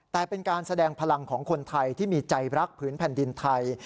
แต่เป็นการแสดงพลังของคนไทยที่มีใจรักผืนแผ่นดินไทย